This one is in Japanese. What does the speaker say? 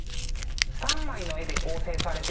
３枚の絵で構成されている